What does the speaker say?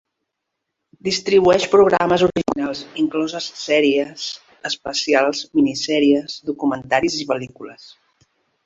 Distribueix programes originals, incloses sèries, especials, minisèries, documentaris i pel·lícules.